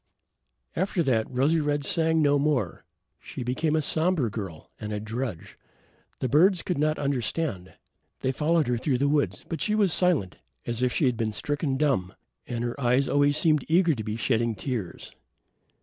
After that, Rosy red sang no more. She became a somber girl and a drudge. The birds could not understand. They followed her through the woods, but she was silent, as if she had been stricken dumb, and her eyes always seemed eager to be shedding tears.